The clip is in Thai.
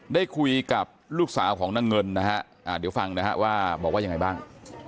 ได้คุยกับลูกสาวของนางเงินนะฮะเดี๋ยวฟังนะฮะว่าบอกว่ายังไงบ้าง